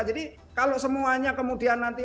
jadi kalau semuanya kemudian nanti